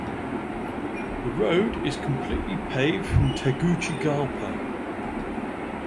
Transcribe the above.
The road is completely paved from Tegucigalpa.